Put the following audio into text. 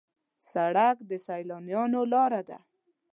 سړک د سیلانیانو لاره ده.